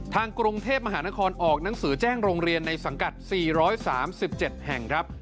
ทางกรุงเทพมหานครออกหนังสือแจ้งโรงเรียนในสังกัด๔๓๗แห่งครับ